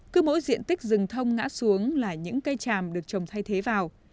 cứ mỗi diện tích rừng thông ngã xuống là những cây tràm được trồng thay thế vào